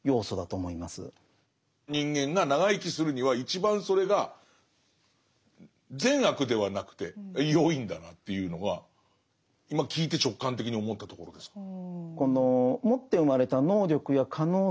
人間が長生きするには一番それが善悪ではなくてよいんだなというのは今聞いて直感的に思ったところですかね。